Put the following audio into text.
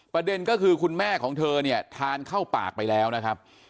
ประเด็นก็คือคุณแม่ของเธอเนี่ยทานเข้าปากไปแล้วนะครับ